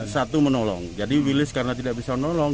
satu menolong jadi wilis karena tidak bisa menolong